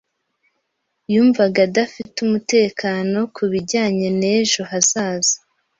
Yumvaga adafite umutekano ku bijyanye n'ejo hazaza.